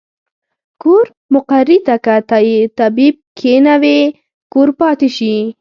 کور مقري ته کۀ طبيب کښېنوې کور پاتې شي